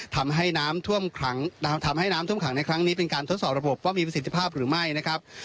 ทำให้น้ำท่วมขังในครั้งนี้เป็นการทดสอบระบบว่ามีประสิทธิภาพหรือไม่นะครับ